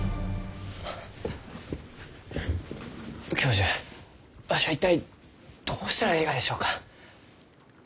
教授わしは一体どうしたらえいがでしょうか？